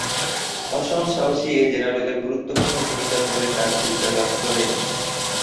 অসম সাহসী এ জেনারেলের গুরুত্বপূর্ণ ভূমিকার ফলে তার দেশ জয়লাভ করে।